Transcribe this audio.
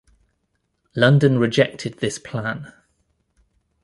London rejected this plan.